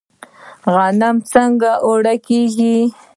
غنم څنګه اوړه کیږي؟